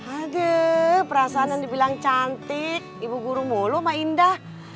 aduh perasaan yang dibilang cantik ibu guru molo sama indah